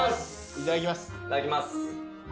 いただきます。